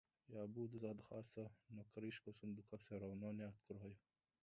Я буду задыхаться, но крышку сундука все равно не открою.